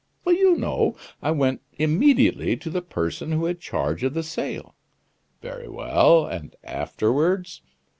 "You know; I went immediately to the person who had charge of the sale." "Very well! and afterwards?"